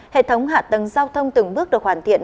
hệ thống hạ tầng giao thông từng bước được hoàn thiện